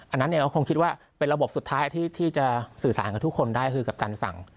อันนั้นเราคงคิดว่าเป็นระบบสุดท้ายที่จะสื่อสารกับทุกคนได้คือกับการสั่ง